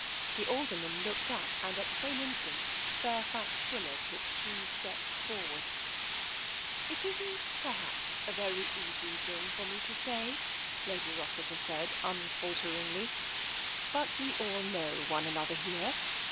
The Alderman looked up, and at the same instant Fairfax Fuller took two steps forward. 228 TENSION " It isn't, perhaps, a very easy thing for me to say," Lady Rossiter said unfalteringly, " but we all know one another here.